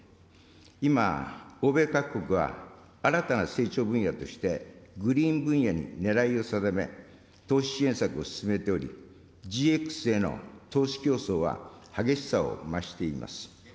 今、欧米各国は、新たな成長分野としてグリーン分野にねらいを定め、投資支援策を進めており、ＧＸへの投資競争は激しさを増しています。